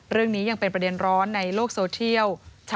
เรื่องนี้ยังเป็นประเด็นร้อนในโลกโซเทียล